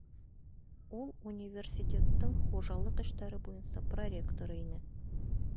Ул университеттың хужалыҡ эштәре буйынса проректоры ине.